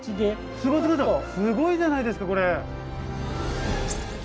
すごいじゃないですかこれ。